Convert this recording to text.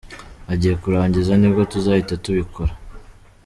Agiye kurangiza , nibwo tuzahita tubikora.